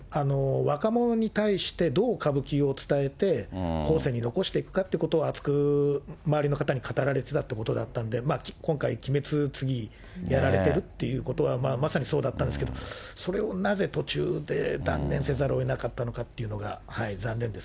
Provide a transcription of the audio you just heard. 若者に対して、どう歌舞伎を伝えて、後世に残していくかということを熱く周りの方に語られてたということだったんで、今回、鬼滅、次やられてるっていうことは、まさにそうだったんですけれども、それをなぜ途中で断念せざるをえなかったのかと、残念です。